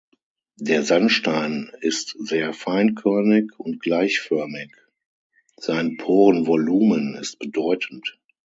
Der Sandstein ist sehr feinkörnig und gleichförmig, sein Porenvolumen ist bedeutend.